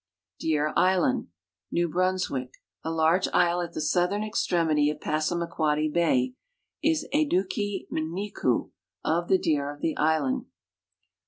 Deer island, New Brunswick, a large isle at the southern extremity of PassauuKjuodd}' bay, is Eduki m'niku, " of the deer the island."